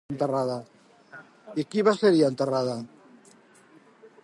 I qui va ser-hi enterrada?